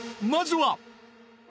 ［まずは］